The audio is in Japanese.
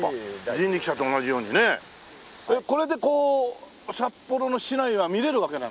これでこう札幌の市内が見れるわけなんですか？